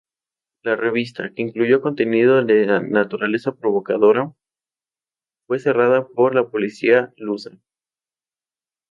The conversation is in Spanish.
La revista, que incluyó contenido de naturaleza provocadora, fue cerrada por la policía lusa.